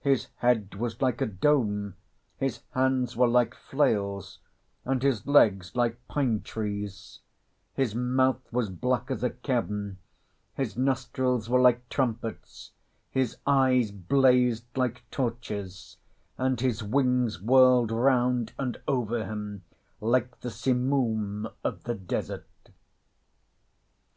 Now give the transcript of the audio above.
His head was like a dome, his hands were like flails, and his legs like pine trees; his mouth was black as a cavern, his nostrils were like trumpets, his eyes blazed like torches, and his wings whirled round and over him like the simoom of the desert.